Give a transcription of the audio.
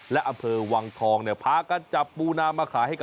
และอำเภอวังทองภาครการจับปูนามาขาย